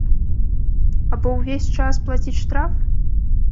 Або ўвесь час плаціць штраф?